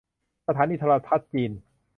สถานีโทรทัศน์จีน